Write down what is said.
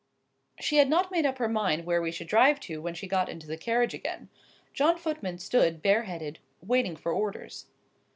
She had not made up her mind where we should drive to when she got into the carriage again. John Footman stood, bare headed, waiting for orders.